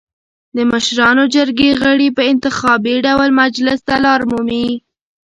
د مشرانو جرګې غړي په انتخابي ډول مجلس ته لار مومي.